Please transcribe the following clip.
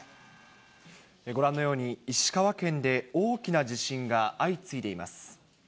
ご覧のように、石川県で大きな地震が相次いでいます。